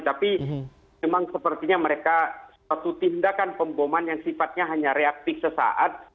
tapi memang sepertinya mereka suatu tindakan pemboman yang sifatnya hanya reaktif sesaat